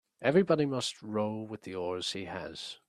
Everybody must row with the oars he has.